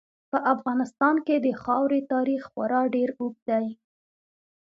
په افغانستان کې د خاورې تاریخ خورا ډېر اوږد دی.